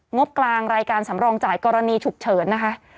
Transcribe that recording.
งบกลางรายการสำรองจ่ายกรณีฉุกเฉินนะคะ